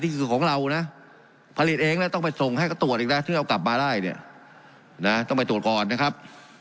ของเรานะผลิตเองแล้วต้องไปส่งให้ก็ตรวจอีกนะที่เรากลับมาได้เนี่ยนะต้องไปตรวจก่อนนะครับ